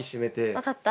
分かった。